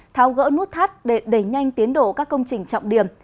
thao gỡ nút thắt để đẩy nhanh tiến đổ các công trình trọng điểm